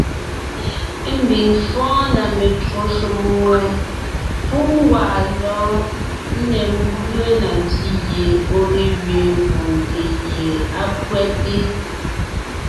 Ḿbiŋ fɔ́ɔn na metwó shúm ŋwɛ́, pú ńgwaa lɔ́ɔn, ńne ḿbʉe na ntí gie ɔ̀ ge gẅiin vòŋte gie á pÿɛ́te.